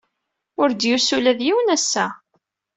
Ur d-yusi ula d yiwen ass-a.